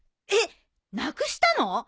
えっなくしたの！？